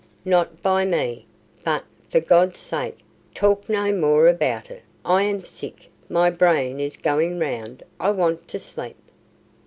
"Not by me. But, for God's sake, talk no more about it. I am sick my brain is going round. I want to sleep."